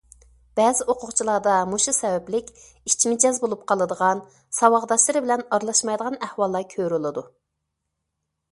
بەزى ئوقۇغۇچىلاردا مۇشۇ سەۋەبلىك ئىچ مىجەز بولۇپ قالىدىغان، ساۋاقداشلىرى بىلەن ئارىلاشمايدىغان ئەھۋاللار كۆرۈلىدۇ.